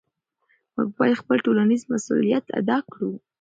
موږ باید خپل ټولنیز مسؤلیت ادا کړو.